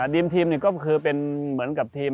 ทีมก็คือเป็นเหมือนกับทีม